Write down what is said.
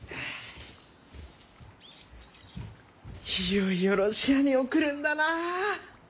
いよいよロシアに送るんだな！